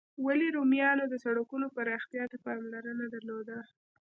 ولي رومیانو د سړکونو پراختیا ته پاملرنه درلوده؟